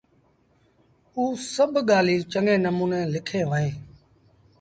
اوٚ سڀ ڳآليٚنٚ چڱي نموٚني لکيݩ وهينٚ